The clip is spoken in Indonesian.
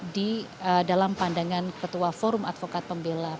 di dalam pandangan ketua forum advokat pembela